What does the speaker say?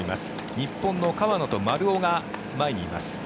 日本の川野と丸尾が前にいます。